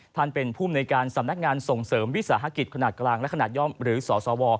ท่านเป็นภูมิในการสำนักงานส่งเสริมวิสาหกิจขนาดกลางและขนาดย่อมหรือสสว